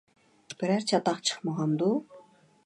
بىرەر چاتاق چىقمىغاندۇ؟